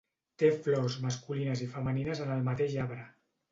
Té flors masculines i femenines en el mateix arbre.